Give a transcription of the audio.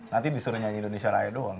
nanti disuruh nyanyi indonesia raya doang